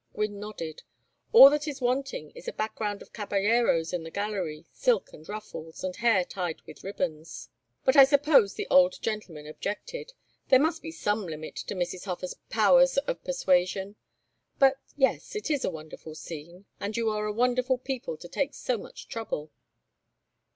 Gwynne nodded. "All that is wanting is a background of caballeros in the gallery, silk and ruffles, and hair tied with ribbons. But I suppose the old gentlemen objected. There must be some limit to Mrs. Hofer's powers of persuasion. But yes it is a wonderful scene, and you are a wonderful people to take so much trouble."